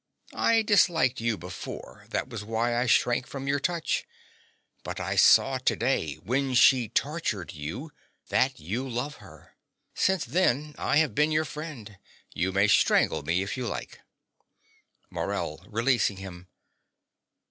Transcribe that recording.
I disliked you before: that was why I shrank from your touch. But I saw to day when she tortured you that you love her. Since then I have been your friend: you may strangle me if you like. MORELL (releasing him).